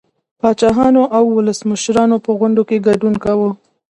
پاچاهانو او ولسمشرانو په غونډو کې ګډون کاوه